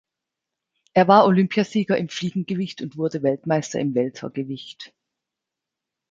Er war Olympiasieger im Fliegengewicht und wurde Weltmeister im Weltergewicht.